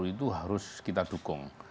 itu harus kita dukung